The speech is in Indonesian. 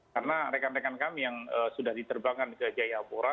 karena rekan rekan kami yang sudah diterbangkan ke jayapura